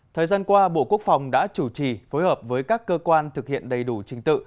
thời gian qua bộ quốc phòng đã chủ trì phối hợp với các cơ quan thực hiện đầy đủ trình tự